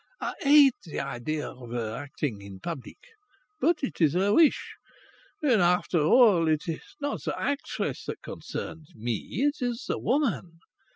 I hate the idea of her acting in public. But it is her wish. And after all, it is not the actress that concerns me. It is the woman.